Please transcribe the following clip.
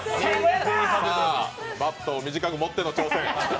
さぁ、バットを短く持っての挑戦。